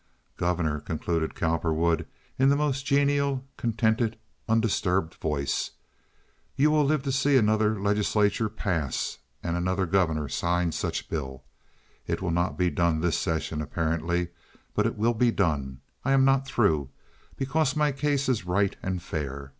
"Governor," concluded Cowperwood, in the most genial, contented, undisturbed voice, "you will live to see another legislature pass and another governor sign some such bill. It will not be done this session, apparently, but it will be done. I am not through, because my case is right and fair.